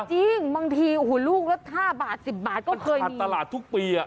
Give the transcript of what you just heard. จริงบางทีโอ้โหลูกละห้าบาทสิบบาทก็เคยมีมันผ่านตลาดทุกปีอ่ะ